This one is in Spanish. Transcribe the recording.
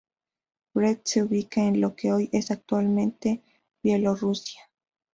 Brest se ubica en lo que hoy es actualmente Bielorrusia.